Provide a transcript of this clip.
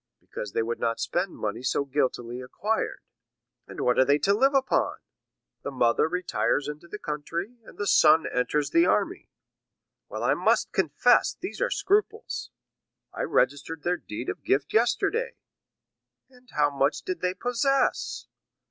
"Because they would not spend money so guiltily acquired." "And what are they to live upon?" "The mother retires into the country, and the son enters the army." 50113m "Well, I must confess, these are scruples." "I registered their deed of gift yesterday." "And how much did they possess?"